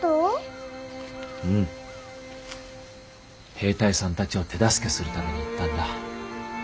兵隊さんたちを手助けするために行ったんだ。